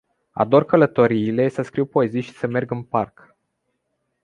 Ador călătoriile, să scriu poezii și să merg în parc.